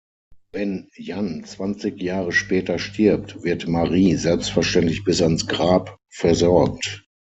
Wenn Jan zwanzig Jahre später stirbt, wird Marie selbstverständlich bis ans Grab versorgt.